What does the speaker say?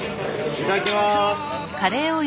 いただきます！